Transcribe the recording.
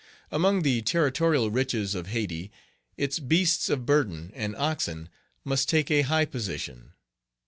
Among the territorial riches of Hayti, its beasts of burden and oxen must take a high position.